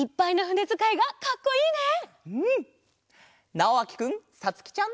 なおあきくんさつきちゃん。